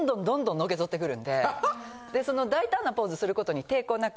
その大胆なポーズすることに抵抗なくて逆に